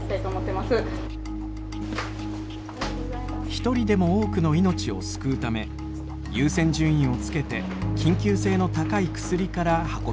一人でも多くの命を救うため優先順位をつけて緊急性の高い薬から運びます。